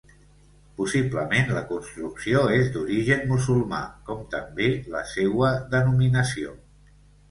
Possiblement, la construcció és d'origen musulmà, com també la seua denominació.